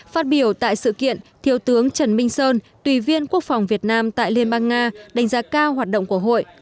phát biểu tại sự kiện thiếu tướng trần minh sơn tùy viên quốc phòng việt nam tại liên bang nga đánh giá cao hoạt động của hội